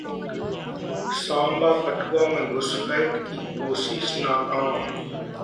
सांबा, कठुआ में घुसपैठ की कोशिश नाकाम